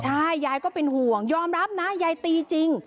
ใช่ยายก็เป็นห่วงยอมรับนะยายตีจริง